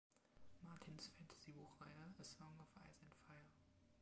Martins Fantasy-Buchreihe „A Song of Ice and Fire“.